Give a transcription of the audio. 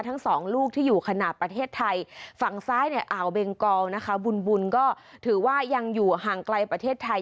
ทั้งสองลูกที่อยู่ขณะประเทศไทยฝั่งซ้ายเนี่ยอ่าวเบงกอลนะคะบุญก็ถือว่ายังอยู่ห่างไกลประเทศไทย